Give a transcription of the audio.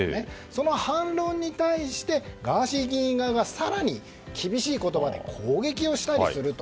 その反論に対してガーシー議員側が更に厳しい言葉で攻撃をしたりすると。